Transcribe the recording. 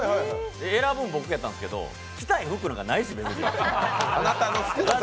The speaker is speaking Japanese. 選ぶん僕やったんですけど着たい服なんてないです、別に。